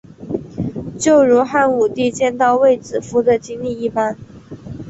就如汉武帝见到卫子夫的经历一般。